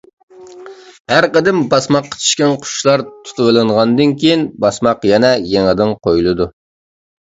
ھەر قېتىم باسماققا چۈشكەن قۇشلار تۇتۇۋېلىنغاندىن كېيىن، باسماق يەنە يېڭىدىن قويۇلىدۇ.